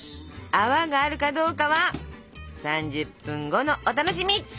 泡があるかどうかは３０分後のお楽しみ！